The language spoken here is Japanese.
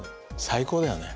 最高だよね。